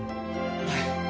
はい。